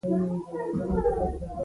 کېله د سر دوران ته فایده لري.